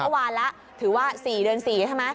วันละถือว่า๔เดือน๔ใช่ไหม